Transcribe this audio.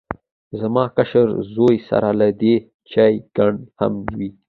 زما کشر زوی سره له دې چې کوڼ هم و